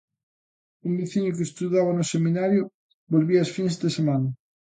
Un veciño que estudaba no seminario volvía as fins de semana.